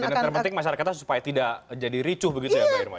dan yang terpenting masyarakatnya supaya tidak jadi ricuh begitu ya pak irma ya